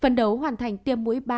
phần đấu hoàn thành tiêm mũi ba